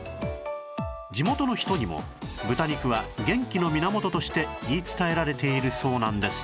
地元の人にも豚肉は元気の源として言い伝えられているそうなんです